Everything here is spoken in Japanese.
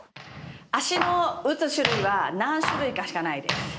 足の打つ種類は何種類かしかないです。